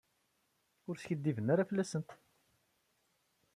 Ur skiddiben ara fell-asent.